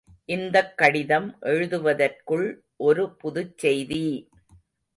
இந்தக் கடிதம் எழுதுவதற்குள் ஒரு புதுச்செய்தி!